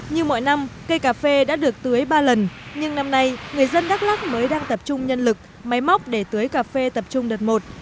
như mọi năm cây cà phê đã được tưới ba lần nhưng năm nay người dân đắk lắc mới đang tập trung nhân lực máy móc để tưới cà phê tập trung đợt một